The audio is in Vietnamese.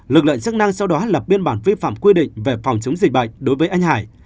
lực lượng chức năng sau đó lập biên bản vi phạm quy định về phòng chống dịch bệnh đối với anh hải